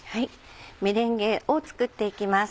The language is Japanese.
メレンゲを作っていきます。